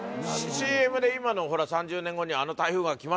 ＣＭで今の３０年後にあの台風がきますよ